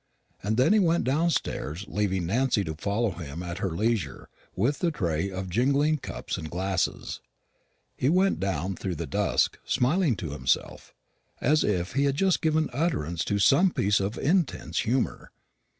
And then he went downstairs, leaving Nancy to follow him at her leisure with the tray of jingling cups and glasses. He went down through the dusk, smiling to himself, as if he had just given utterance to some piece of intense humour.